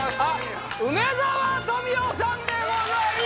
梅沢富美男さんでございますどうも